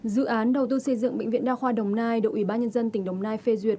dự án đầu tư xây dựng bệnh viện đa khoa đồng nai được ủy ban nhân dân tỉnh đồng nai phê duyệt